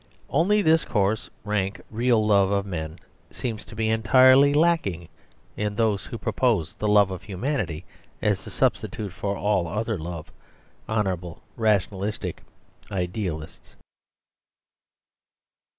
Only this coarse, rank, real love of men seems to be entirely lacking in those who propose the love of humanity as a substitute for all other love; honourable, rationalistic idealists.